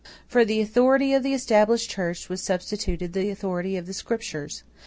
For the authority of the Established Church was substituted the authority of the Scriptures.